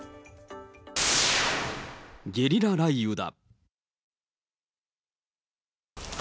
ゲリラ雷雨だ。